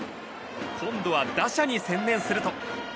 今度は打者に専念すると。